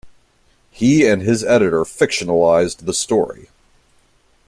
He and his editor fictionalized the story.